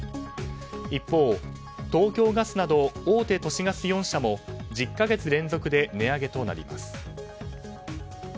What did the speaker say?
一方、東京ガスなど大手都市ガス４社も１０か月連続で値上げとなります。